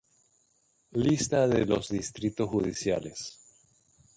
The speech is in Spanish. Lista de los Distrito judiciales